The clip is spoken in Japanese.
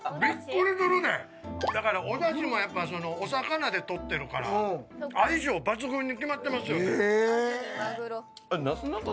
だからおだしもやっぱお魚でとってるから相性抜群に決まってますよね。